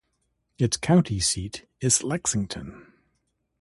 Its county seat is Lexington.